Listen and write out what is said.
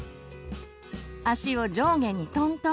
足を上下にトントン。